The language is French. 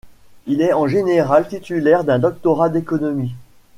Il est en général titulaire d'un doctorat d'économie.